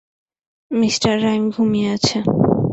Mr Rhyme ঘুমিয়ে আছে।